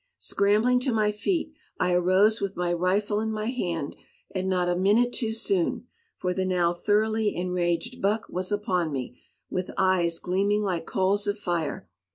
Scrambling to my feet, I arose with my rifle in my hand, and not a minute too soon, for the now thoroughly enraged buck was upon me, with eyes gleaming like coals of fire.